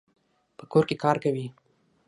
په کور کي کار کوي.